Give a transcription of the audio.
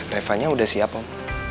reva nya udah siap om